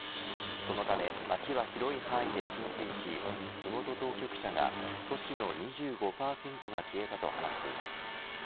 そのため街は広い範囲で浸水し地元当局者が都市の２５％が消えたと話しています。